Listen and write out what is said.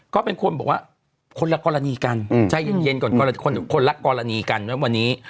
ก็เป็นคนบอกว่าคนละกรณีกันใจเย็นก่อนคนละกรณีกันนะวันนี้